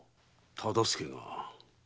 忠相が。